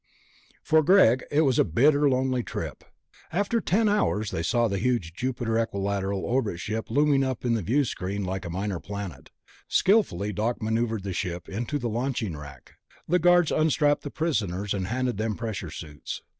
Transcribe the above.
For Greg it was a bitter, lonely trip. After ten hours they saw the huge Jupiter Equilateral orbit ship looming up in the viewscreen like a minor planet. Skilfully Doc maneuvered the ship into the launching rack. The guards unstrapped the prisoners, and handed them pressure suits.